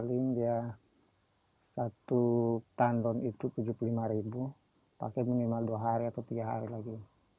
paling dia satu tandon itu tujuh puluh lima pakai minimal dua hari atau tiga hari lagi